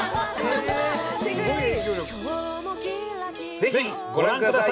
ぜひご覧ください！